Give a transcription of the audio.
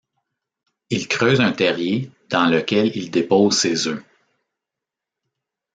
Il creuse un terrier dans lequel il dépose ses œufs.